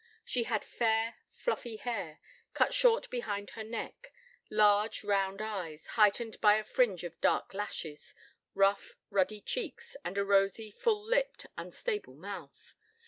She had fair, fluffy hair, cut short behind her neck; large, round eyes, heightened by a fringe of dark lashes; rough, ruddy cheeks, and a rosy, full lipped, unstable mouth.